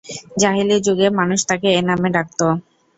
জাহেলী যুগে মানুষ তাকে এ নামে ডাকত।